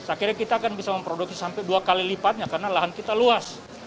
akhirnya kita akan bisa memproduksi sampai dua kali lipatnya karena lahan kita luas